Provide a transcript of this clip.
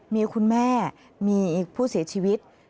มีคุณแม่มีผู้เสียชีวิต